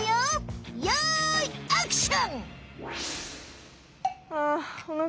よいアクション！